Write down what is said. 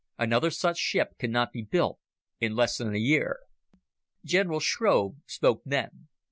Another such ship cannot be built in less than a year." General Shrove spoke then.